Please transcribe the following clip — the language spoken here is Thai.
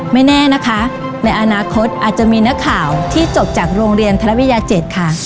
ไม่แน่นะคะในอนาคตอาจจะมีนักข่าวที่จบจากโรงเรียนทรวิทยา๗ค่ะ